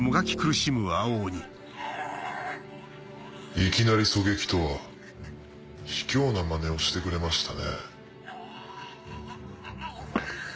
いきなり狙撃とは卑怯なまねをしてくれましたね。